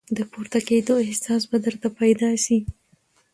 د پورته کېدو احساس به درته پیدا شي !